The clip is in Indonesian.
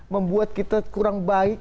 membuat kita kurang baik